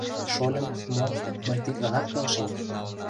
— Шольым, мо, мый тидланат келшем...